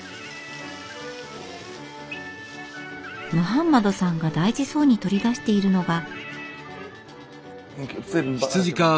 ムハンマドさんが大事そうに取り出しているのが。